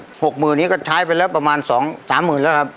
อ๋อถยอยขั้น๖๐๐๐๐นี้ก็จ่ายไปแล้วประมาณ๓๐๐๐๐แล้วครับ